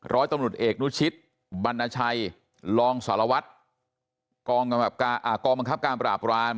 ร้อยตำรวจเอกนุชิตบรรณชัยรองสารวัตรกองบังคับการปราบราม